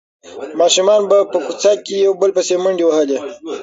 ماشومانو به په کوڅه کې یو بل پسې منډې وهلې.